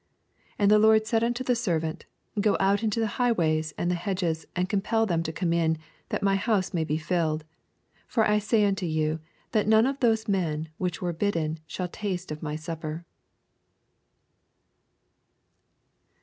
23 And the lord said unto the ser vant, Go out into the highways and hedges, and compel them to come in, that my bouse may be filled. 24 For 1 say unto you, Tbat none of those men which were bidden shall taste of my supper.